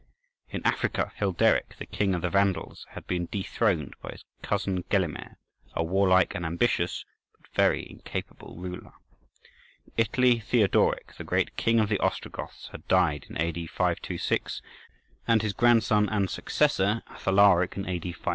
In Africa, Hilderic, the king of the Vandals, had been dethroned by his cousin Gelimer, a warlike and ambitious, but very incapable, ruler. In Italy, Theodoric, the great king of the Ostrogoths, had died in A.D. 526, and his grandson and successor, Athalaric, in A.D. 533.